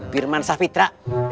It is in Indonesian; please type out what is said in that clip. pirman sah fitra